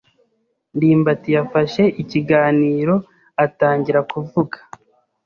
ndimbati yafashe ikiganiro-atangira kuvuga.